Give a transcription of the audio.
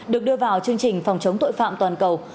được đưa vào chương trình phòng chống tội phạm toàn cầu